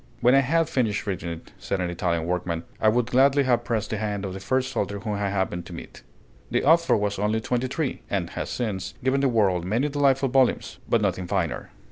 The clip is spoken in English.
"When I had finished reading it," said an Italian workman, "I would gladly have pressed the hand of the first soldier whom I happened to meet." The author was only twenty three, and has since given the world many delightful volumes, but nothing finer.